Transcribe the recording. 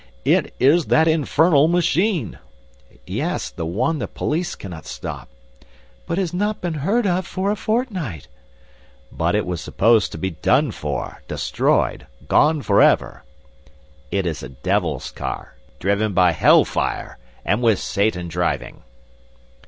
"It is that infernal machine." "Yes; the one the police cannot stop." "But it has not been heard of for a fortnight." "It was supposed to be done for, destroyed, gone forever." "It is a devil's car, driven by hellfire, and with Satan driving!"